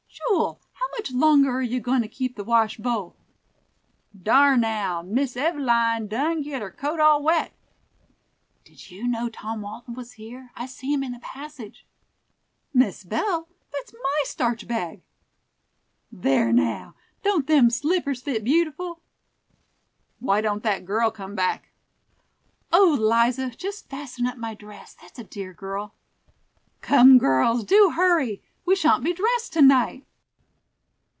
"Jule, how much longer are you goin' to keep the wash bowl?" "Dar now, Miss Eveline done get her coat all wet." "Did you know Tom Walton was here? I see him in the passage." "Miss Belle, that's my starch bag." "There, now! don't them slippers fit beautiful?" "Why don't that girl come back?" "O, Liza, just fasten up my dress, that's a dear girl!" "Come, girls, do hurry, we shan't be dressed to night."